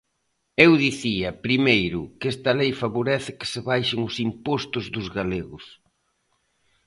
Eu dicía, primeiro, que esta lei favorece que se baixen os impostos dos galegos.